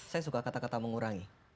saya suka kata kata mengurangi